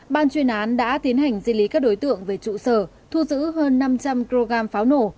bán đã tiến hành di lý các đối tượng về trụ sở thu giữ hơn năm trăm linh kg pháo nổ